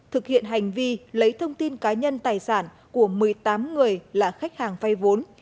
thực hiện hành vi lấy thông tin cá nhân tài sản của một mươi tám người là khách hàng vay vốn